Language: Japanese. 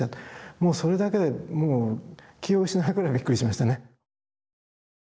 もうそれだけでもう気を失うぐらいびっくりしましたね。